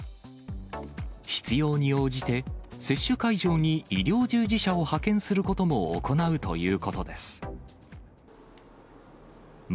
必要に応じて、接種会場に医療従事者を派遣することも行うということです。